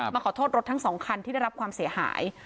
มาขอโทษรถทั้งสองคันที่ได้รับความเสียหาย